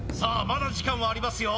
まだ時間はありますよ